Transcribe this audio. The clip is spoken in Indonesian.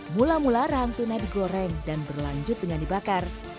mula mula rahang tuna digoreng dan berlanjut dengan dibakar